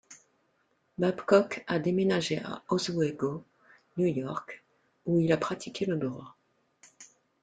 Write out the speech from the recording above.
Babcock a déménagé à Oswego, New York, où il a pratiqué le droit.